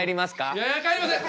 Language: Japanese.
いや帰りません！